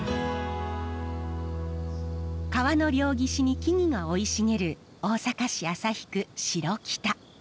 川の両岸に木々が生い茂る大阪市旭区城北。